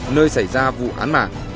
nơi xảy ra vụ án mạng